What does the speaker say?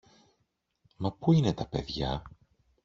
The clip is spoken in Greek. Μα πού είναι τα παιδιά;